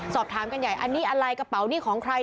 สอบถามกันใหญ่อันนี้อะไรกระเป๋านี่ของใคร